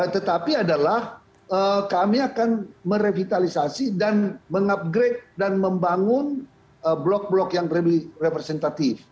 tetapi adalah kami akan merevitalisasi dan mengupgrade dan membangun blok blok yang representatif